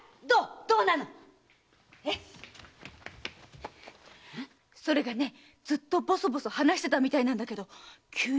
どうなの⁉それがずっとボソボソ話してたみたいだけど急に静かになって。